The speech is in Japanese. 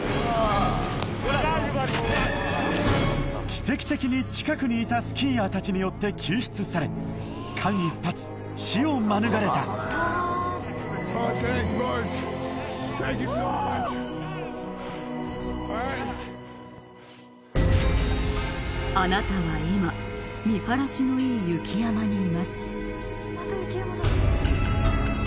キセキ的に近くにいたスキーヤー達によって救出され間一髪死を免れたあなたは今見晴らしのいい雪山にいます